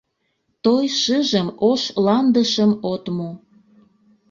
Той шыжым ош ландышым от му